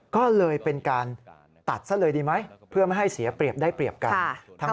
ก็เลยเป็นการตัดซะเลยดีไหมเพื่อไม่ให้เสียเปรียบได้เปรียบกัน